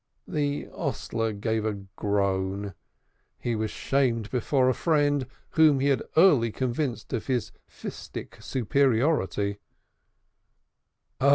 The hostler gave a groan. He was shamed before a friend whom he had early convinced of his fistic superiority.